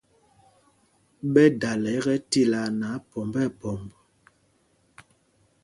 Ɓɛ dala kɛ tilaa nɛ aphɔmb nɛ phɔmb.